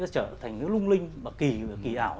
trở thành cái lung linh và kỳ ảo